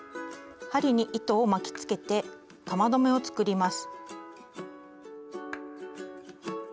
針に糸を巻きつけて玉留めを作ります。